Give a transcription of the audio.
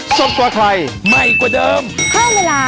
สวัสดีค่ะ